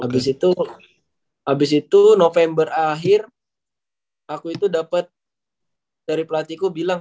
habis itu habis itu november akhir aku itu dapat dari pelatihku bilang